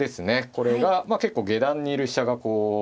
これがまあ結構下段にいる飛車がこう。